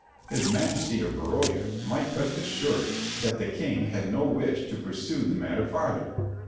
His Majesty of Barodia might rest assured that the King had no wish to pursue the matter farther.